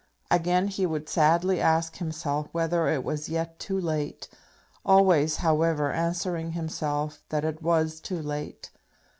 Again he would sadly ask himself whether it was yet too late; always, however, answering himself that it was too late.